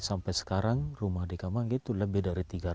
sampai sekarang rumah di kamanggi itu lebih dari tiga ratus